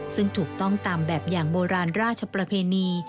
ซึ่งถูกต้องตามแบบอย่างโบราณราชประเพณี